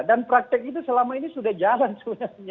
dan praktek itu selama ini sudah jalan sebenarnya